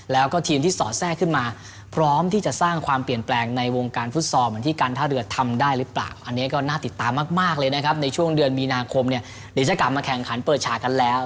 เดี๋ยวจะกลับมาแข่งขันเปิดฉากันแล้ว